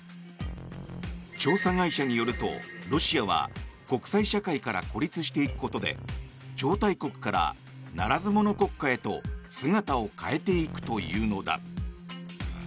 調査会社によるとロシアは国際社会から孤立していくことで超大国からならず者国家へと姿を変えていくというのだ。